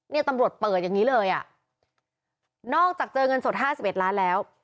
เนี่ยตำรวจเปิดอย่างนี้เลยนอกจากเจอเงินสด๕๑ล้านแล้ว